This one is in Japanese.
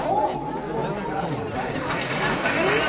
お目が高いですね。